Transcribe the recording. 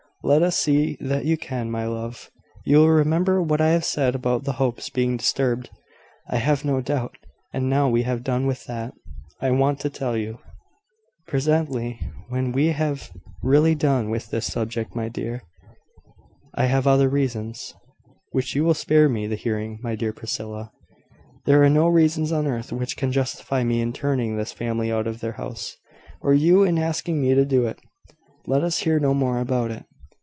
"Let us see that you can, my love. You will remember what I have said about the Hopes being disturbed, I have no doubt. And now we have done with that, I want to tell you " "Presently, when we have really done with this subject, my dear. I have other reasons " "Which you will spare me the hearing. My dear Priscilla, there are no reasons on earth which can justify me in turning this family out of their house, or you in asking me to do it. Let us hear no more about it."